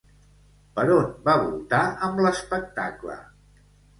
Per on van voltar amb l'espectacle?